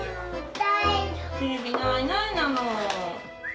テレビないない、なの。